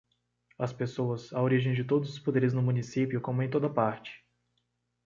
As pessoas, a origem de todos os poderes no município como em toda parte.